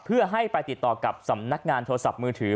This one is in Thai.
เพื่อให้ไปติดต่อกับสำนักงานโทรศัพท์มือถือ